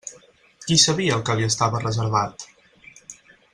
Qui sabia el que li estava reservat?